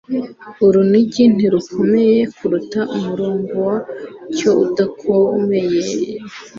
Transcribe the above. Urunigi ntirukomeye kuruta umurongo wacyo udakomeye.